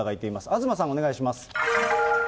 東さん、お願いします。